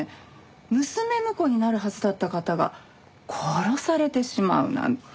娘婿になるはずだった方が殺されてしまうなんて。